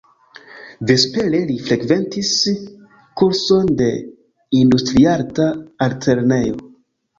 Vespere li frekventis kurson de Industriarta Altlernejo.